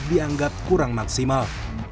dianggap kurang maksimal